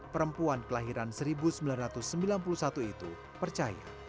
perempuan kelahiran seribu sembilan ratus sembilan puluh satu itu percaya